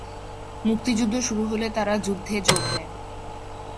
মুক্তিযুদ্ধ শুরু হলে তারা যুদ্ধে দেন।